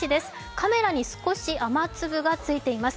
カメラに少し雨粒がついています。